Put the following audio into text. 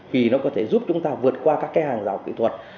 vì nó có thể giúp chúng ta vượt qua các cái hàng rào kỹ thuật